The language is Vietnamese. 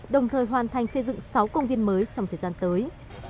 đồng thời hoàn thành xây dựng sáu công viên mới trong thời gian tới